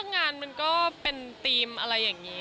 งานมันก็เป็นธีมอะไรอย่างนี้